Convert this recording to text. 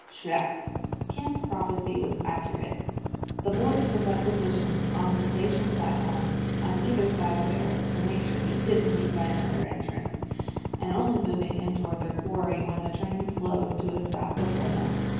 "Check." Ken's prophecy was accurate. They boys took up positions on the station platform on either side of Barrack to make sure he didn't leave by another entrance, and only moved in toward their quarry when a train slowed to a stop before them.